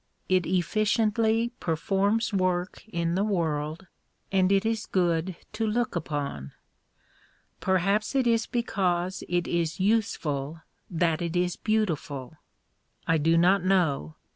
It efficiently performs work in the world, and it is good to look upon. Perhaps it is because it is useful that it is beautiful. I do not know.